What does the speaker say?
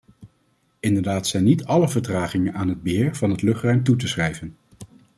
Inderdaad zijn niet alle vertragingen aan het beheer van het luchtruim toe te schrijven.